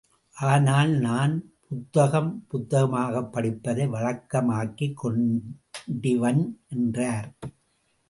ஆனால், நான் புத்தகம் புத்தகமாகப் படிப்பதை வழக்கமாக்கிக் கொண்டிவன் என்றார்!